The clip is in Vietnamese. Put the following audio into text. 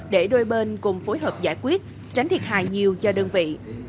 để đôi bên cùng phối hợp giải quyết tránh thiệt hài nhiều cho đơn vị